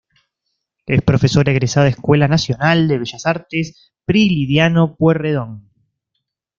Es Profesora egresada Escuela Nacional de Bellas Artes Prilidiano Pueyrredón.